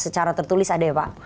secara tertulis ada ya pak